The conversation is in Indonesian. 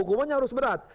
hukumannya harus berat